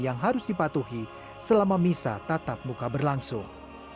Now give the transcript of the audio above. yang harus dipatuhi selama misa tetap buka berlangsung